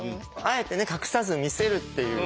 あえてね隠さず見せるっていう。